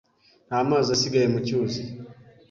Nta mazi asigaye mu cyuzi.